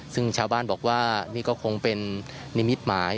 ซึ่งชาวบ้านบอกว่านี่ก็คงเป็นนิมิตหมาย